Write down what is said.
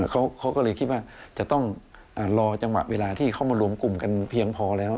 เขาก็เลยคิดว่าจะต้องรอจังหวะเวลาที่เขามารวมกลุ่มกันเพียงพอแล้ว